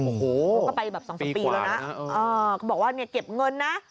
อันนั้นก็ไปแบบ๒๓ปีแล้วนะบอกว่าเก็บเงินนะ